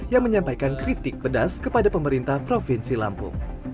yang menyampaikan kritik pedas kepada pemerintah provinsi lampung